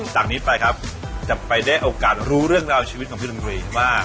จากนี้ไปครับจะไปได้โอกาสรู้เรื่องราวชีวิตของพี่ดนตรีมาก